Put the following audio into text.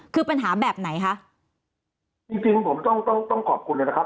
คือปัญหาแบบไหนคะจริงจริงผมต้องต้องต้องขอบคุณเลยนะครับ